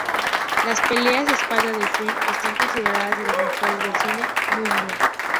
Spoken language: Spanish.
Las peleas de espadas del film están consideradas de las mejores del cine mudo.